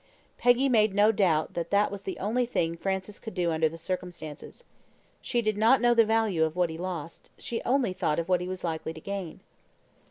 Peggy made no doubt that that was the only thing Francis could do under the circumstances. She did not know the value of what he lost, she only thought of what he was likely to gain.